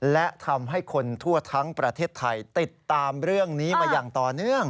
และทำให้คนทั่วทั้งประเทศไทยติดตามเรื่องนี้มาอย่างต่อเนื่อง